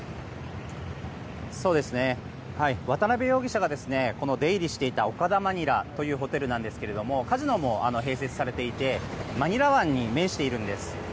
渡邉容疑者が出入りしていたオカダマニラというホテルなんですけどもカジノも併設されていてマニラ湾に面しているんです。